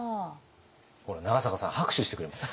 ほら長坂さん拍手してくれました。